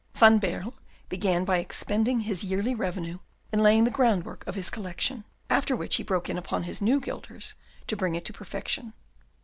Van Baerle began by expending his yearly revenue in laying the groundwork of his collection, after which he broke in upon his new guilders to bring it to perfection.